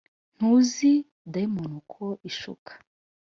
ntuzi, dayimoni uko ishuka.